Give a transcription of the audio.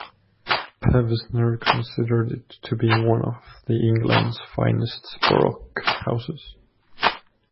Pevsner considered it to be one of England's finest Baroque houses.